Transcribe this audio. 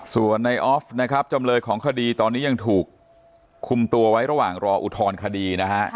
ส่วนในออฟนะครับจำเลยของคดีตอนนี้ยังถูกคุมตัวไว้ระหว่างรออุทธรณคดีนะฮะ